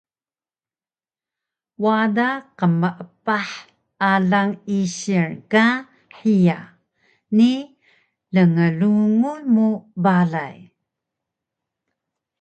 Wada qmeepah alang isil ka hiya ni lnglungun mu balay